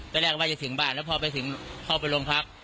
ตอนแรกว่าจะถึงบ้านแล้วพอไปถึงเข้าไปโรงพัก